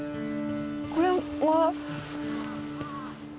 これは？